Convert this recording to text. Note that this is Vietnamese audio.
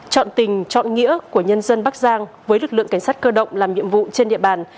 chọn tình trọn nghĩa của nhân dân bắc giang với lực lượng cảnh sát cơ động làm nhiệm vụ trên địa bàn